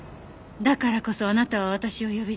だからこそあなたは私を呼び出し。